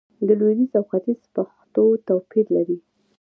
د لويديځ او ختيځ پښتو توپير لري